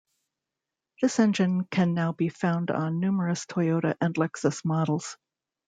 This engine can now be found on numerous Toyota and Lexus models.